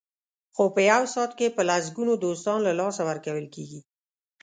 خو په یو ساعت کې په لسګونو دوستان له لاسه ورکول کېږي.